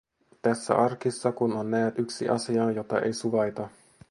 Tässä arkissa kun on näet yksi asia, jota ei suvaita;